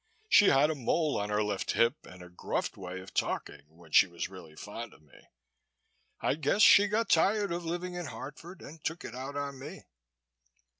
She had a mole on her left hip and a gruff way of talking when she was really fond of me. I guess she got tired of living in Hartford and took it out on me."